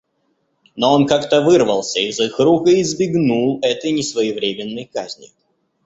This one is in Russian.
Но он как-то вырвался из их рук и избегнул этой несвоевременной казни.